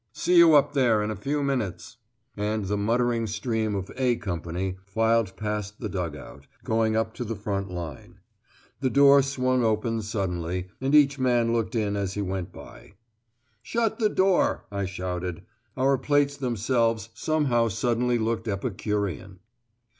"See you up there in a few minutes." And the muttering stream of "A" Company filed past the dug out, going up to the front line. The door swung open suddenly, and each man looked in as he went by. "Shut the door," I shouted. Our plates themselves somehow suddenly looked epicurean.